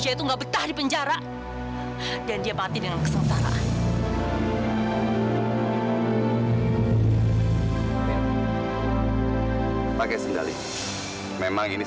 jangan lupa subscribe like komen dan share disini makin serius